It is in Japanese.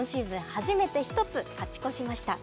初めて１つ勝ち越しました。